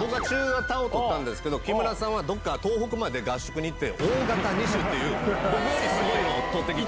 僕は中型を取ったんですけど、木村さんはどっか東北まで合宿に行って、大型二種っていう、すごいのを取ってきて。